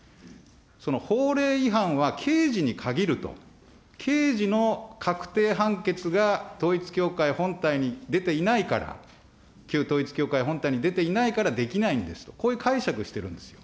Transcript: その法令違反は刑事に限ると、刑事の確定判決が統一教会本体に出ていないから、旧統一教会本体に出ていないからできないんですと、こういう解釈しているんですよ。